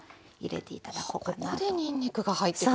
はあここでにんにくが入ってくる。